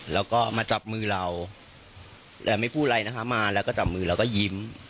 แล้วก็มาจับมือเราแต่ไม่พูดอะไรนะคะมาแล้วก็จับมือแล้วก็ยิ้ม